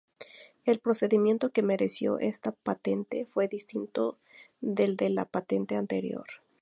El procedimiento que mereció esta patente fue distinto del de la patente anterior.